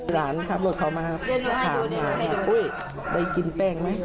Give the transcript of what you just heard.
หลานครับเขามาข่างบ้านอุ๊ยได้กินแป้งไหม